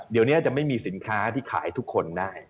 เดี๋ยวนี้จะไม่มีสินค้าที่ขายทุกคนได้